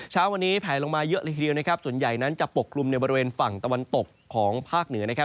เช้าวันนี้แผลลงมาเยอะเลยทีเดียวนะครับส่วนใหญ่นั้นจะปกกลุ่มในบริเวณฝั่งตะวันตกของภาคเหนือนะครับ